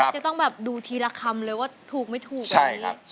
จะต้องดูทีละคำเลยว่าถูกไม่ถูก